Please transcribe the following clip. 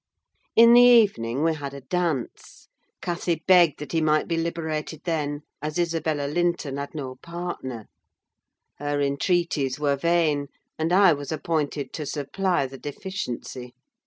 In the evening we had a dance. Cathy begged that he might be liberated then, as Isabella Linton had no partner: her entreaties were vain, and I was appointed to supply the deficiency.